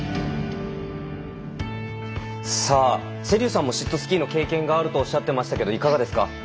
瀬立さんもシットスキーの経験があるとおっしゃっていましたがいかがですか？